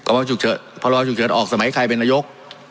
พรรคชุกเฉินพรรคชุกเฉินออกสมัยใครเป็นระยก